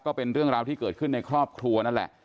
ก็เป็นเรื่องราวที่เกิดขึ้นในครอบครัวนั่นแหละ